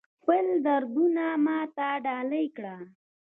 خپل دردونه ماته ډالۍ کړه